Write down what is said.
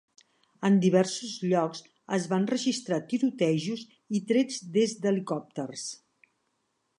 En diversos llocs es van registrar tirotejos i trets des d'helicòpters.